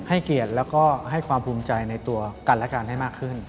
เกียรติแล้วก็ให้ความภูมิใจในตัวกันและกันให้มากขึ้น